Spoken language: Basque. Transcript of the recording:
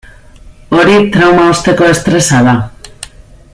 Hori trauma osteko estresa da.